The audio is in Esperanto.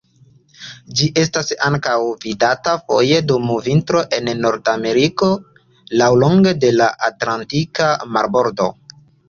Ĝi estas ankaŭ vidata foje dum vintro en Nordameriko laŭlonge de la Atlantika Marbordo.